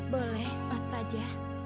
boleh mas praja